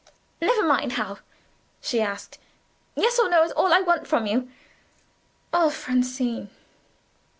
"Never mind how," she said. "Yes or no is all I want from you." "Oh, Francine!